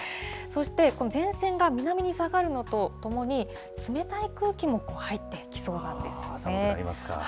そして、前線が南に下がるのとともに、冷たい空気も入ってきそうなんですね。